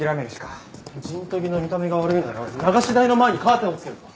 ジントギの見た目が悪いなら流し台の前にカーテンを付けるとか？